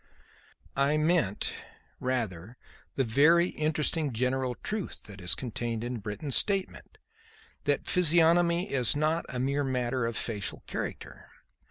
"I meant, rather, the very interesting general truth that is contained in Britton's statement; that physiognomy is not a mere matter of facial character.